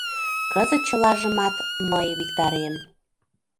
Кызыт чылажымат мый виктарем.